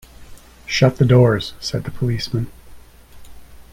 "Shut the doors," said the policeman.